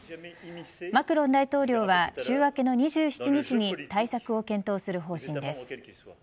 マクロン大統領は週明けの２７日に対策を検討する方針です。